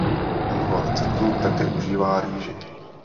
Mnoho receptů také užívá rýži.